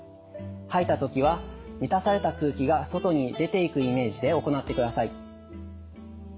吐いた時は満たされた空気が外に出ていくイメージで行ってください。